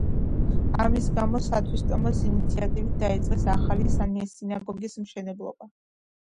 ამის გამო სათვისტომოს ინიციატივით დაიწყეს ახალი სინაგოგის მშენებლობა.